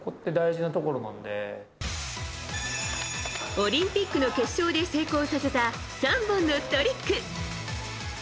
オリンピックの決勝で成功させた３本のトリック。